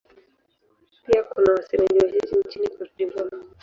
Pia kuna wasemaji wachache nchini Cote d'Ivoire.